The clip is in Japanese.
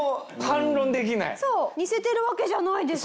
そう似せてるわけじゃないです。